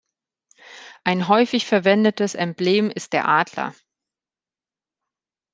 Ein häufig verwendetes Emblem ist der Adler.